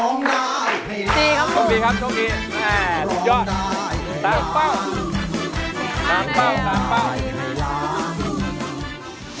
ต่างเป้าต่างเป้า